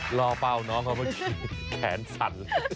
หล่อเป้าน้องเขาแขนสั่น